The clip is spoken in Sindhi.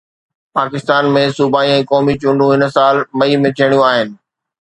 پاڪستان ۾ صوبائي ۽ قومي چونڊون هن سال مئي ۾ ٿيڻيون آهن